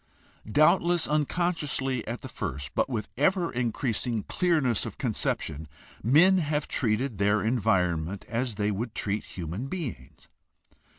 Doubtless unconsciously at the first, but with ever increasing clearness of conception, men have treated their environment as they would treat human beings.